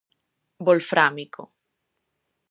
Volfrámico.